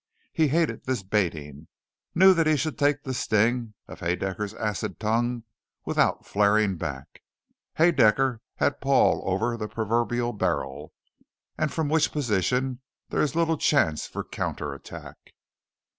He hated this baiting; knew that he should take the sting of Haedaecker's acid tongue without flaring back. Haedaecker had Paul over the proverbial barrel, from which position there is little chance for counter attack.